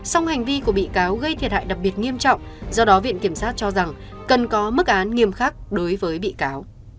song hành vi của bị cáo gây thiệt hại đặc biệt nghiêm trọng do đó viện kiểm sát cho rằng cần có mức án nghiêm khắc đối với bị cáo